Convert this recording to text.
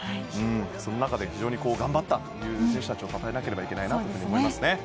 その中で非常に頑張った選手たちをたたえなければいけないなと思いますね。